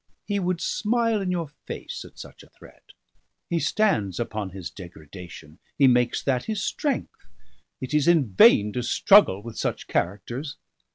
He would smile in your face at such a threat. He stands upon his degradation, he makes that his strength; it is in vain to struggle with such characters."